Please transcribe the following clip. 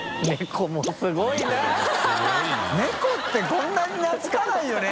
こんなに懐かないよね？